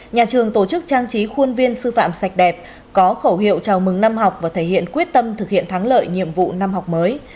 nhà trường tổ chức trang trí khuôn viên sư phạm sạch đẹp có khẩu hiệu chào mừng năm học và thể hiện quyết tâm thực hiện thắng lợi nhiệm vụ năm học mới